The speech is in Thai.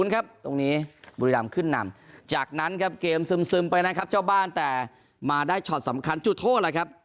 ครับตรงนี้บุรีรำขึ้นนำจากนั้นครับเกมซึมไปนะครับเจ้าบ้านแต่มาได้ช็อตสำคัญจุดโทษแหละครับ